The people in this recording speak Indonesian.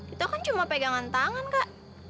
itu kan cuma pegangan tangan kak